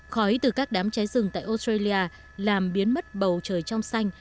khói từ các đám cháy rừng tại australia làm biến mất bầu trời trong xanh